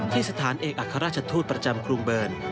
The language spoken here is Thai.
สถานเอกอัครราชทูตประจำกรุงเบิร์น